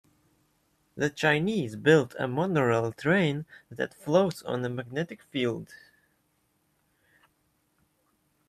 The Chinese built a monorail train that floats on a magnetic field.